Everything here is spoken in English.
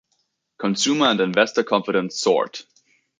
Consumer and investor confidence soared.